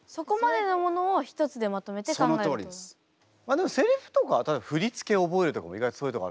でもセリフとか振り付け覚えるとかも意外とそういうとこある。